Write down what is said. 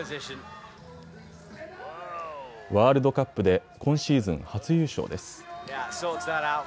ワールドカップで今シーズン初優勝です。